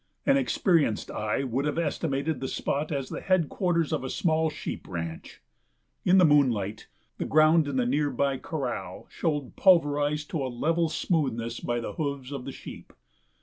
An experienced eye would have estimated the spot as the headquarters of a small sheep ranch. In the moonlight the ground in the nearby corral showed pulverized to a level smoothness by the hoofs of the sheep.